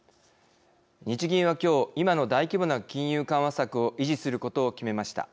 日銀は今日今の大規模な金融緩和策を維持することを決めました。